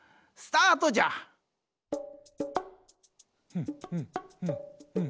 ふんふんふんふん。